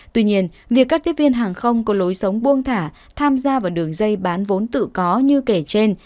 tuy nhiên việc các tiếp viên hàng không có lối sống buông thả tham gia vào đường dây bán vốn tự có như kể trên